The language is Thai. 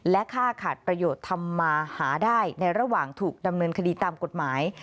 และค่าขาดประโยชน์ทำมาหาได้ในระหว่างถูกดำเนินคดีตามกฎหมาย